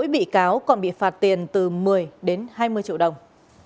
bị cáo còn bị phạt tiền từ một mươi đến hai mươi triệu đồng